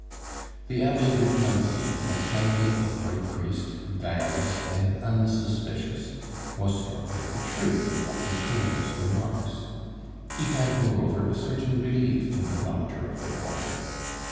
The Abbe Duplanty, a kindly, upright priest, guileless and unsuspicious, was struck with the truth of Dr. Poulain's remarks. He had, moreover, a certain belief in the doctor of the quarter.